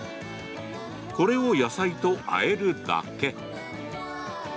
これを野菜とあえるだけ。